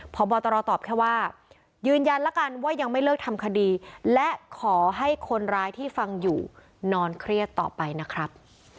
พบตรตอบแค่ว่ายืนยันแล้วกันว่ายังไม่เลิกทำคดีและขอให้คนร้ายที่ฟังอยู่นอนเครียดต่อไปนะครับ